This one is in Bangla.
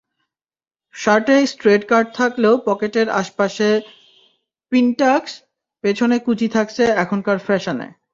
শার্টে স্ট্রেট কাট থাকলেও পকেটের আশপাশে পিনটাকস, পেছনে কুঁচি থাকছে এখনকার ফ্যাশনে।